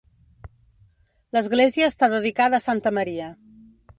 L'església està dedicada a santa Maria.